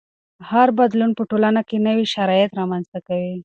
هر بدلون په ټولنه کې نوي شرایط رامنځته کوي.